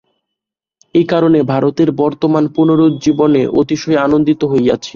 এই কারণে ভারতের বর্তমান পুনরুজ্জীবনে অতিশয় আনন্দিত হইয়াছি।